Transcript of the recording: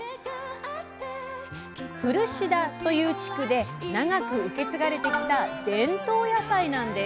古志田という地区で長く受け継がれてきた伝統野菜なんです。